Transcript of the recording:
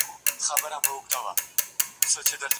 دوولس منفي يو؛ يوولس کېږي.